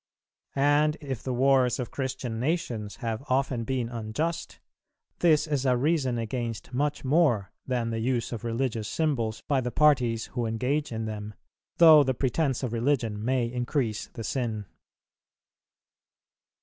And if the wars of Christian nations have often been unjust, this is a reason against much more than the use of religious symbols by the parties who engage in them, though the pretence of religion may increase the sin.